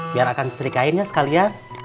biar saya setrikainnya sekalian